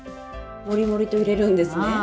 もりもりと入れるんですね。